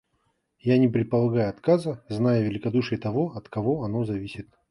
Я не предполагаю отказа, зная великодушие того, от кого оно зависит.